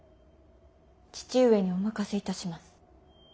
父上にお任せいたします。